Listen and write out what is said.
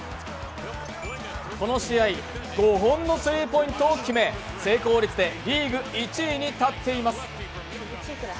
この試合５本のスリーポイントを決め成功率でリーグ１位に立っています